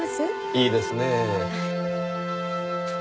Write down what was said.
いいですねぇ。